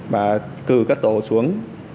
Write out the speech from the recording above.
và cử các tổ xuống